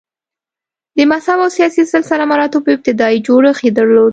د مذهب او سیاسي سلسه مراتبو ابتدايي جوړښت یې درلود